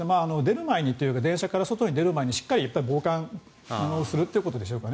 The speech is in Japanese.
電車から外に出る前にしっかり防寒をするということでしょうかね。